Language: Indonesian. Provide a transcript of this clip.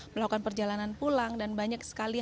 melakukan perjalanan pulang dan banyak sekali